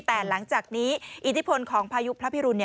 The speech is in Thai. แต่หลังจากนี้อิทธิพลของพายุพระพิรุณ